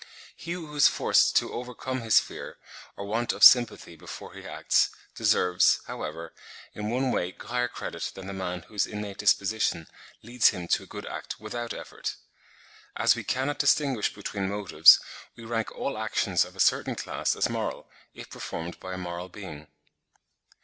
He who is forced to overcome his fear or want of sympathy before he acts, deserves, however, in one way higher credit than the man whose innate disposition leads him to a good act without effort. As we cannot distinguish between motives, we rank all actions of a certain class as moral, if performed by a moral being.